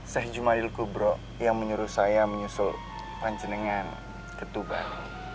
syekh jumadil kubro yang menyuruh saya menyusul panjenengan ketuban